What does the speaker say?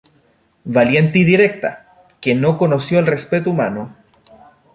Valiente y directa, que no conoció el respeto humano.